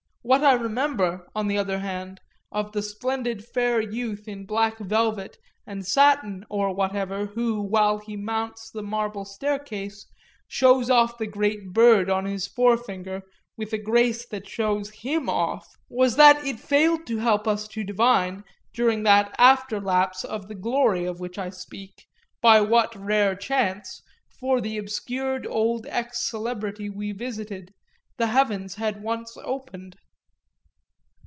What I remember, on the other hand, of the splendid fair youth in black velvet and satin or whatever who, while he mounts the marble staircase, shows off the great bird on his forefinger with a grace that shows him off, was that it failed to help us to divine, during that after lapse of the glory of which I speak, by what rare chance, for the obscured old ex celebrity we visited, the heavens had once opened.